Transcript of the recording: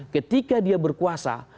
ketika dia berkuasa